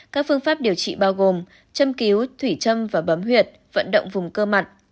các phương pháp điều trị bao gồm châm cứu thủy châm và bấm huyệt vận động vùng cơ mặt